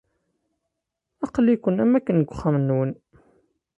Aql-iken am akken deg uxxam-nwen.